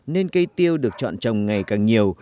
nên cây tiêu được chọn trồng ngày càng nhiều